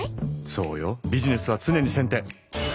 そうよビジネスは常に先手！